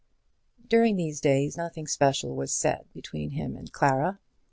During these days nothing special was said between him and Clara.